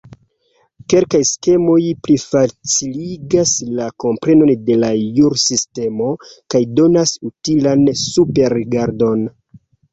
Kelkaj skemoj plifaciligas la komprenon de la jursistemo kaj donas utilan superrigardon.